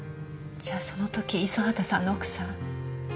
じゃあその時五十畑さんの奥さん。